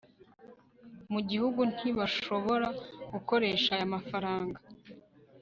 mu gihugu, ntibashobora gukoresha aya mafaranga